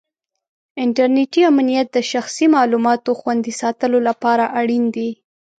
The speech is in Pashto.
انټرنېټي امنیت د شخصي معلوماتو خوندي ساتلو لپاره اړین دی.